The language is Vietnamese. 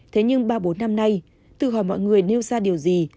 thế nhưng ba bốn năm nay tự hỏi mọi người nêu ra điều gì